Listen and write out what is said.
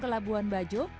ke labuan bajo